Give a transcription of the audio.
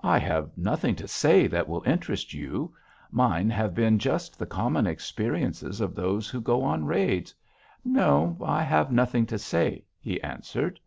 "'I have nothing to say that will interest you; mine have been just the common experiences of those who go on raids. No, I have nothing to say,' he answered.